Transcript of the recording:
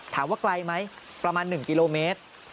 ถามว่าไกลไหมประมาณ๑กิโลเมตร